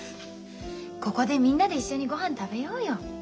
ここでみんなで一緒にごはん食べようよ。